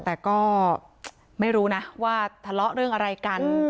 แต่ก็ไม่รู้นะว่าทะเลาะเรื่องอะไรกัน